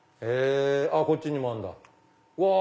こっちにもあるんだ。